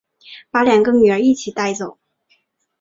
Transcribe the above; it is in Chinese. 把两个女儿一起带走